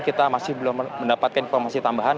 kita masih belum mendapatkan informasi tambahan